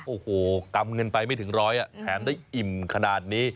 โอ้โหกำเงินไปไม่ถึงร้อยแถมได้อิ่มขนาดนี้